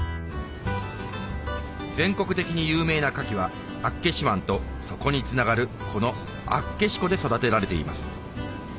全国的に有名なカキは厚岸湾とそこにつながるこの厚岸湖で育てられています